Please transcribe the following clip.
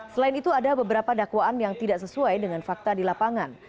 selain itu ada beberapa dakwaan yang tidak sesuai dengan fakta di lapangan